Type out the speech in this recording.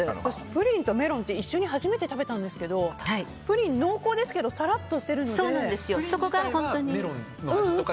プリンとメロンって一緒に初めて食べたんですけどプリン、濃厚ですけどさらっとしてるので。